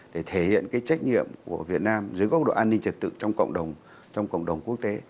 để thể hiện trách nhiệm của việt nam dưới góc độ an ninh triệt tự trong cộng đồng quốc tế